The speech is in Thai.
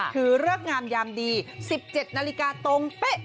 คือเลิกงามยามดี๑๗นาฬิกาตรงเป๊ะ